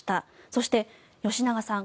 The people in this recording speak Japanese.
そして、吉永さん